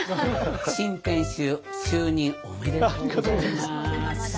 新店主就任おめでとうございます。